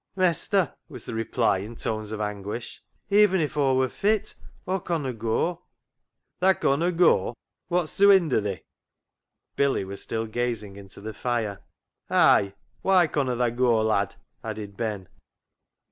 " Mestur," was the reply in tones of anguish, " even if Aw wor fit Aw conna goa." " Tha conna goa ! Wot's to hinder thi ?" Billy was still gazing into the fire. " Ay ! why conna tha goa, lad ?" added Ben.